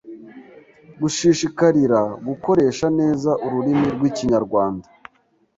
Gushishikarira gukoresha neza ururimi rw’Ikinyarwanda.